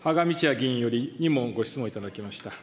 議員より、２問ご質問いただきました。